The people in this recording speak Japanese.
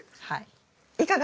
はい。